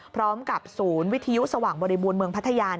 พร้อมกับศูนย์วิทยุสว่างบริบูรณ์เมืองพัทยา